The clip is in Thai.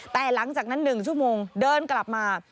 แต่หลังจากนั้น๑ชั่วโมงเดินกลับมา